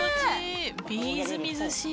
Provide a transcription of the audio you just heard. みずみずしい。